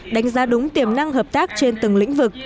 đánh giá đúng tiềm năng hợp tác trên từng lĩnh vực